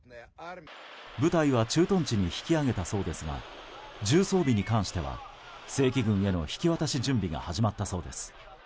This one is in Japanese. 部隊は駐屯地に引き揚げたそうですが重装備に関しては正規軍への引き渡し準備が始まったそうです。